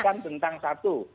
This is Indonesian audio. mengikirkan tentang satu